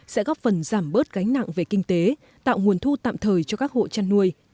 sẽ góp phần giảm bớt gánh nặng về kinh tế tạo nguồn thu tạm thời cho các hộ chăn nuôi